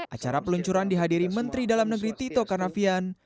acara peluncuran dihadiri menteri dalam negeri tito karnavian